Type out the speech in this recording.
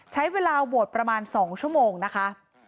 ใช้เวลาโหวตประมาณ๒ชั่วโมงนะคะ